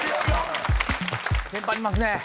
テンパりますね